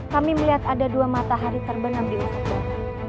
kami melihat ada dua matahari terbenam di ujung buah